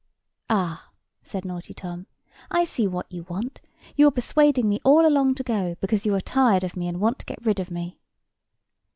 "Ah," said naughty Tom, "I see what you want; you are persuading me all along to go, because you are tired of me, and want to get rid of me."